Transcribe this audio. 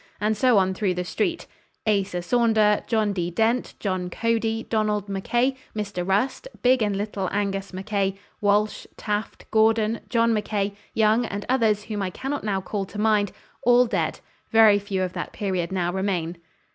And so on through the street. Asa Saunder, John D. Dent, John Cody, Donald Mackay, Mr. Rust, big and little Angus Mackay, Walsh, Taft, Gordon, John Mackay, Young and others whom I cannot now call to mind, all dead; very few of that period now remain.